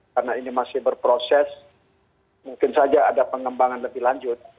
karena ini masih berproses mungkin saja ada pengembangan lebih lanjut